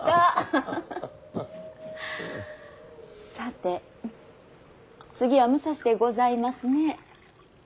さて次は武蔵でございますね。